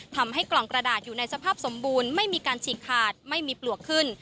ทำให้กล่องกระดาษอยู่ในสภาพสมบูรณ์ไม่มีการฉีกขาดไม่มีปลวกขึ้น